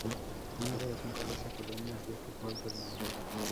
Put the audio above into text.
Una de las mejores academias de fútbol del mundo.